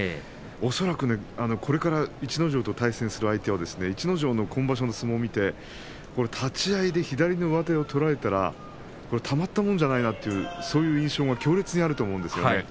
恐らくこれから逸ノ城と対戦する相手は逸ノ城の今場所の相撲を見て立ち合いで左の上手を取られたらたまったもんじゃないとそういう印象が強烈にあると思うんですね。